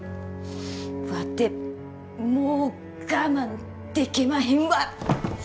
ワテもう我慢でけまへんわ！